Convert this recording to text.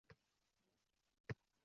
Bo’lmasa kel, so’ylayin senga…